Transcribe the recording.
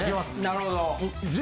なるほど。